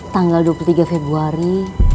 tanggal dua puluh tiga februari